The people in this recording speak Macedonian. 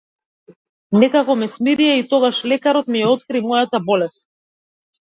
Некако ме смирија и тогаш лекарот ми ја откри мојата болест.